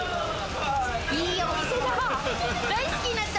いいお店だ。